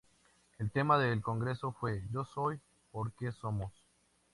El tema del congreso fue: "Yo soy, porque somos".